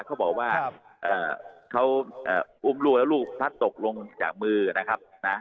เขาบอกว่าเขาอุ้มลูกแล้วลูกพลัดตกลงจากมือนะครับนะ